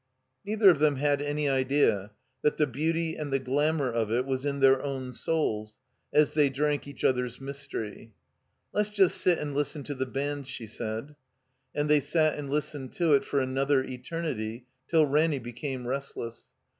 Neither of them had any idea that the beauty and the gflamour of it was in their own sotils as they drank each other's mystery. "Let's just sit and listen to the band," she said. And they sat and listened to it for another eter nity, till Ranny became restless.